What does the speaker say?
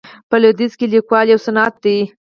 په لویدیځ کې لیکوالي یو صنعت دی.